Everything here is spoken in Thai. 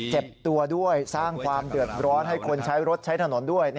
เจ็บตัวด้วยสร้างความเดือดร้อนให้คนใช้รถใช้ถนนด้วย